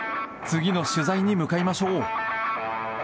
次の取材に向かいましょう。